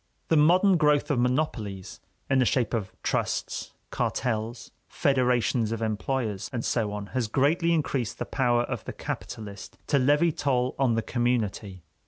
The modern growth of monopolies in the shape of trusts, cartels, federations of employers and so on has greatly increased the power of the capitalist to levy toll on the community.